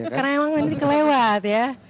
karena emang nanti kelewat ya